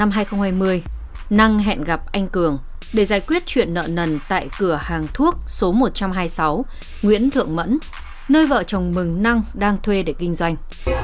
vào ngày hai mươi tám tháng một mươi một năm hai nghìn hai mươi năng hẹn gặp anh cường để giải quyết chuyện nợ nần tại cửa hàng thuốc số một trăm hai mươi sáu nguyễn thượng mẫn nơi vợ chồng mừng năng đang thuê để kinh doanh